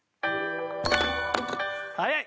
早い！